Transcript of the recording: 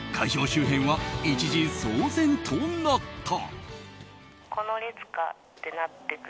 周辺は一時騒然となった。